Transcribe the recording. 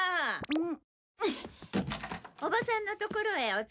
うん？